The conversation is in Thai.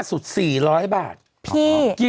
ศูนย์อุตุนิยมวิทยาภาคใต้ฝั่งตะวันอ่อค่ะ